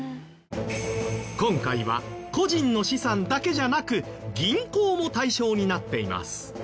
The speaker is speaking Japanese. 今回は個人の資産だけじゃなく銀行も対象になっています。